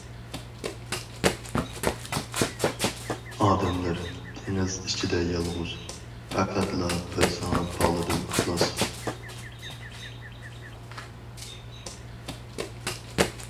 ئادەملەر دېڭىزى ئىچىدە يالغۇز، پەقەتلا بىر ساڭا باغلىدىم ئىخلاس.